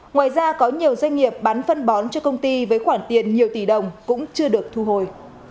ngoài ra có nhiều doanh nghiệp bán phân bón cho công ty với khoản tiền nhiều tỷ đồng cũng chưa được thu hồi